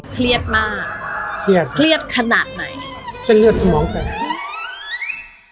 เครียดมากเครียดเครียดขนาดไหนเส้นเลือดสมองแตก